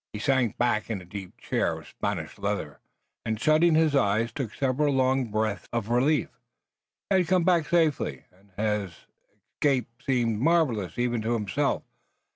He sank back in a deep chair of Spanish leather, and shutting his eyes took several long breaths of relief. He had come back safely and his escape seemed marvelous even to himself.